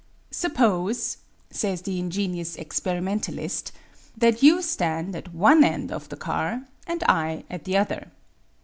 " Suppose," says the in genious experimentalist, '* that you stand at one end of the car and I at the other.